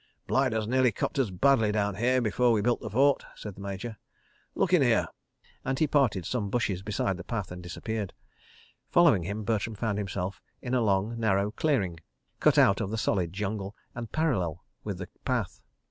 ... "Blighters nearly copped us badly down here before we built the fort," said the Major. "Look in here ..." and he parted some bushes beside the path and disappeared. Following him, Bertram found himself in a long, narrow clearing cut out of the solid jungle and parallel with the path.